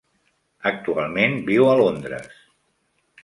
Actualment viu a Londres.